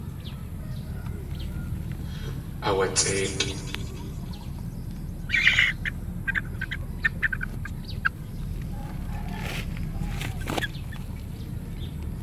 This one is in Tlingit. Aawatsʼéitʼ.